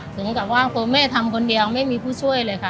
ถึงกับเม่ทำคนเดียวไม่มีผู้ช่วยเลย